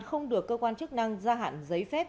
không được cơ quan chức năng gia hạn giấy phép